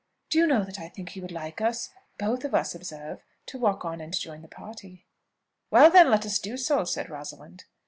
Do you know that I think he would like us, both of us, observe, to walk on and join the party." "Well, then, let us do so," said Rosalind.